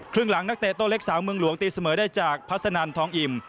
ครึ่งหลังนักเตะโต้เล็กสาวเมืองหลวงตีเสมอได้จากพัสนันทองอิ่ม